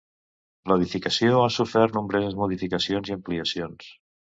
L'edificació ha sofert nombroses modificacions i ampliacions.